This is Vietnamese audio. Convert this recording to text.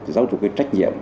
giáo dục cái trách nhiệm